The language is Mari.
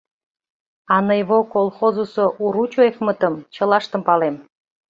А «Ныйво» колхозысо Уручевмытым чылаштым палем.